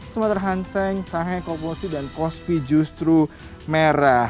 sumatera hanseng shanghai komposite dan kospi justru merah